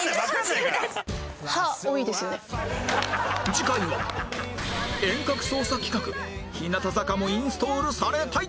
次回は遠隔操作企画日向坂もインストールされたい